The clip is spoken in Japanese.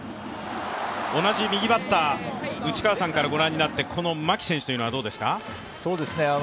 同じ右バッター内川さんからご覧になってこの牧選手というのはどうですか？